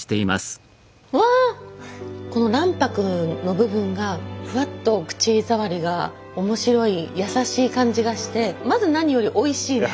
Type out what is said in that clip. この卵白の部分がふわっと口触りが面白いやさしい感じがしてまず何よりおいしいです。